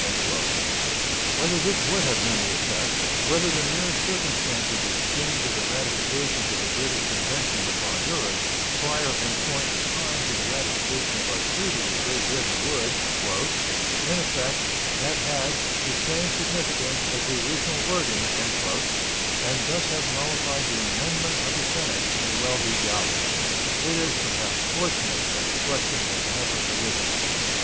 Whether this would have been the effect, whether the mere circumstance of the exchange of the ratifications of the British convention with Honduras prior in point of time to the ratification of our treaty with Great Britain would "in effect" have had "the same signification as the original wording," and thus have nullified the amendment of the Senate, may well be doubted. It is, perhaps, fortunate that the question has never arisen.